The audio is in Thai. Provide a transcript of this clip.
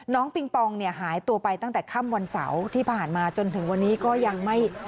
ปิงปองเนี่ยหายตัวไปตั้งแต่ค่ำวันเสาร์ที่ผ่านมาจนถึงวันนี้ก็ยังไม่